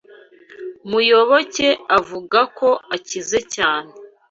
Muyoboke avuga ko akize cyane.